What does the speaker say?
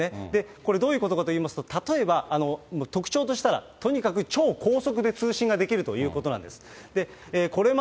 これ、どういうことかといいますと、例えば、特徴としたら、とにかく超高速で通信ができるということなんです。